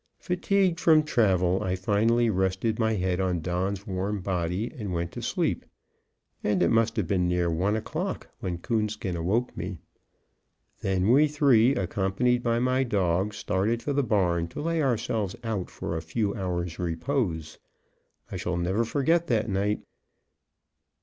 Fatigued from travel, I finally rested my head on Don's warm body, and went to sleep; and it must have been near one o'clock when Coonskin awoke me. Then we three, accompanied by my dog, started for the barn to lay ourselves out for a few hours' repose. I shall never forget that night.